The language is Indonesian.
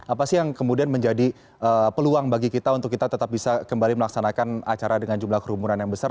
apa sih yang kemudian menjadi peluang bagi kita untuk kita tetap bisa kembali melaksanakan acara dengan jumlah kerumunan yang besar